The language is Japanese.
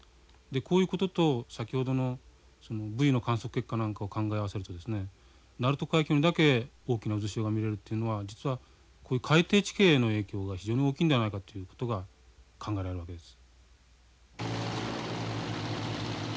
こういうことと先ほどのブイの観測結果なんかを考え合わせると鳴門海峡にだけ大きな渦潮が見れるというのは実はこういう海底地形の影響が非常に大きいのではないかということが考えられるわけです。